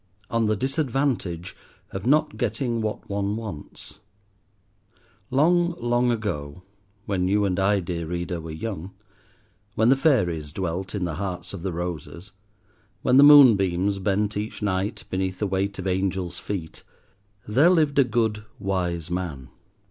ON THE DISADVANTAGE OF NOT GETTING WHAT ONE WANTS LONG, long ago, when you and I, dear Reader, were young, when the fairies dwelt in the hearts of the roses, when the moonbeams bent each night beneath the weight of angels' feet, there lived a good, wise man.